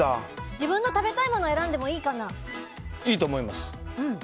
自分の食べたいものを選んでもいいかな？